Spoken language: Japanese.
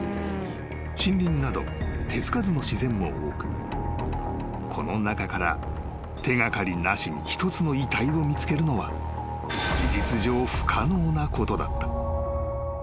［森林など手付かずの自然も多くこの中から手掛かりなしに一つの遺体を見つけるのは］えっ？